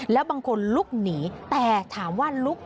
แล้วบางคนลุกหนีแต่ถามว่าลุก